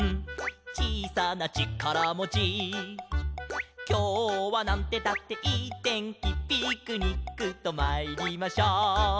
「ちいさなちからもち」「きょうはなんてったっていいてんき」「ピクニックとまいりましょう」